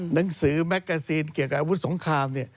หนังสือแมกกาซีนเกี่ยวกับอาวุธสงครามเนี่ย